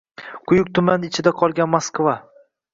Quyuq tuman ichida qolgan Moskva